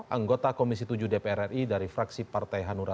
anggota komisi tujuh dpr ri dari fraksi partai hanura